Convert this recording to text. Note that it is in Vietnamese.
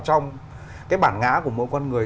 trong cái bảng ngã của mỗi con người